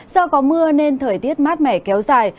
do có mưa nên thời tiết mát mẻ kéo dài